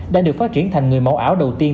đã được phát triển thành người mẫu ảo đầu tiên